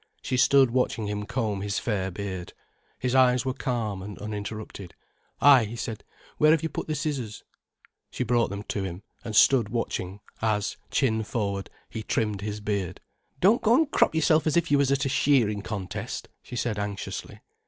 She stood watching him comb his fair beard. His eyes were calm and uninterrupted. "Ay," he said, "where have you put the scissors?" She brought them to him, and stood watching as, chin forward, he trimmed his beard. "Don't go an' crop yourself as if you was at a shearin' contest," she said, anxiously.